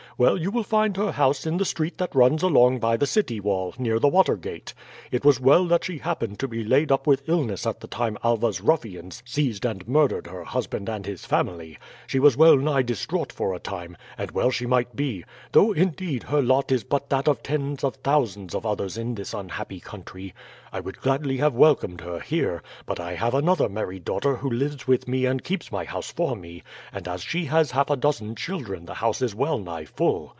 Well, you will find her house in the street that runs along by the city wall, near the Watergate. It was well that she happened to be laid up with illness at the time Alva's ruffians seized and murdered her husband and his family. She was well nigh distraught for a time, and well she might be; though, indeed, her lot is but that of tens of thousands of others in this unhappy country. I would gladly have welcomed her here, but I have another married daughter who lives with me and keeps my house for me, and as she has half a dozen children the house is well nigh full.